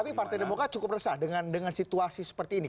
tapi partai demokrat cukup resah dengan situasi seperti ini